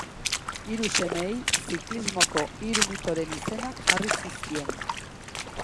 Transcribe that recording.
Hiru semeei ziklismoko hiru mitoren izenak jarri zizkien.